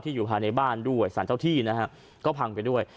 ที่อยู่ภายในบ้านศาลเจ้าที่นะครับก็ภังไปด้วย